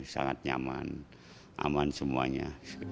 sangat nyaman aman semuanya